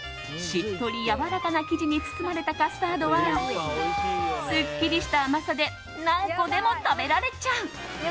しっとりやわらかな生地に包まれたカスタードはすっきりした甘さで何個でも食べられちゃう。